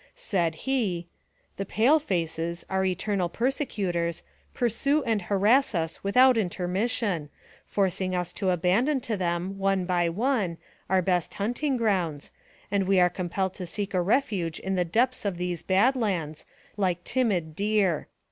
Said he, " The pale faces, our eternal persecutors, pursue and harass us without intermission, forcing us to abandon to them, one by one, our best hunting grounds, and we are compelled to seek a refuge in the depths of these Bad Lands, like timid deer.